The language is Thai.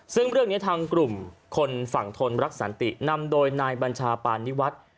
ซึ่งเรื่องนี้ทางกลุ่มคนฝั่งทนรักสันตินำโดยนายบัญชาปานิวัฒน์